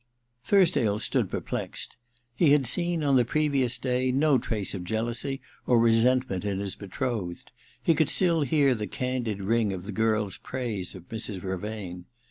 Thursdale stood perplexed. He had seen, on the previous day, no trace of jealousy or resentment in his betrothed : he could still hear the candid ring of the girl's praise of Mrs. Vervain.